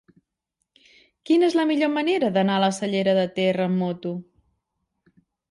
Quina és la millor manera d'anar a la Cellera de Ter amb moto?